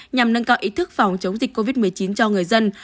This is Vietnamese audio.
nhằm nâng cao ý thức phòng chống dịch covid một mươi chín cho người dân